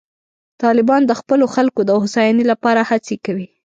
طالبان د خپلو خلکو د هوساینې لپاره هڅې کوي.